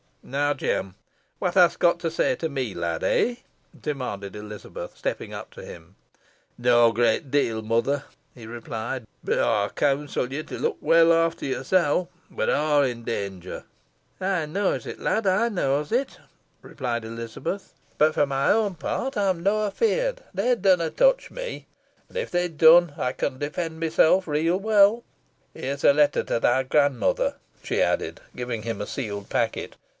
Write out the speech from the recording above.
"Now, Jem, what hast got to say to me, lad, eh?" demanded Elizabeth, stepping up to him. "Neaw great deal, mother," he replied; "boh ey keawnsel ye to look weel efter yersel. We're aw i' dawnger." "Ey knoas it, lad, ey knoas it," replied Elizabeth; "boh fo my own pert ey'm nah afeerd. They darna touch me; an' if they dun, ey con defend mysel reet weel. Here's a letter to thy gran mother," she added, giving him a sealed packet.